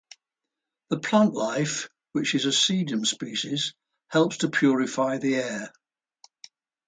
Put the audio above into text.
The plant life, which is a sedum species, helps to purify the air.